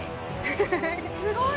すごい！